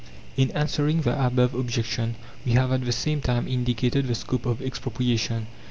In answering the above objection we have at the same time indicated the scope of Expropriation.